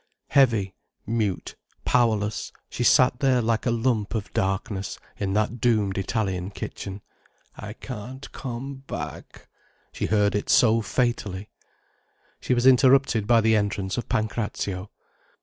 Heavy, mute, powerless, there she sat like a lump of darkness, in that doomed Italian kitchen. "I can't come back." She heard it so fatally. She was interrupted by the entrance of Pancrazio.